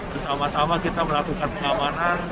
bersama sama kita melakukan pengamanan